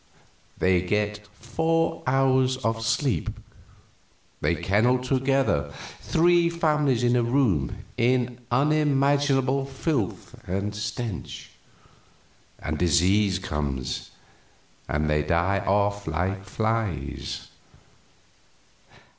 They get four hours of sleep. They kennel together, three families in a room, in unimaginable filth and stench; and disease comes, and they die off like flies.